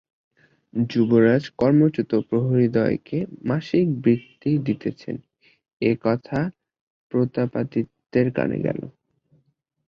যুবরাজ কর্মচ্যুত প্রহরীদ্বয়কে মাসিক বৃত্তি দিতেছেন, এ-কথা প্রতাপাদিত্যের কানে গেল।